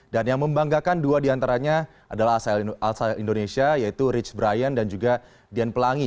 dan yang membanggakan dua di antaranya adalah al sail indonesia yaitu rich brian dan juga dian pelangi